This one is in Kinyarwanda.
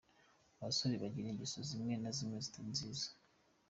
Abasore bagira ingeso zimwe na zimwe zitari nziza.